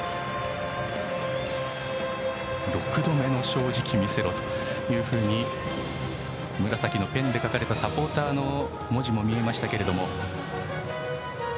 ６度目の正直見せろというふうに紫のペンで書かれたサポーターの文字も見えましたが。